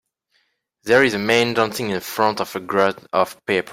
There is a man dancing in front of a crowd of people.